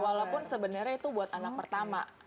walaupun sebenarnya itu buat anak pertama